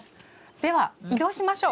では移動しましょう。